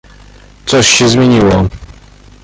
"Coś się zmieniło."